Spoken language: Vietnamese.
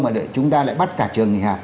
mà chúng ta lại bắt cả trường nghỉ học